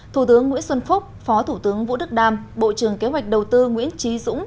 thủ tướng nguyễn xuân phúc phó thủ tướng vũ đức đam bộ trưởng kế hoạch đầu tư nguyễn trí dũng